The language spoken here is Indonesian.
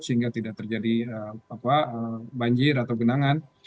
sehingga tidak terjadi banjir atau genangan